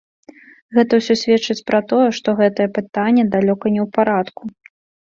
Гэта ўсё сведчыць пра тое, што гэтае пытанне далёка не ў парадку.